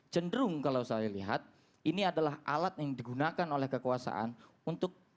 cenderung kalau saya lihat ini adalah alat yang digunakan oleh kekuasaan untuk